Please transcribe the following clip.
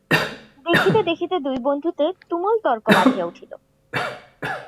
দেখিতে দেখিতে দুই বন্ধুতে তুমুল তর্ক বাধিয়া উঠিল।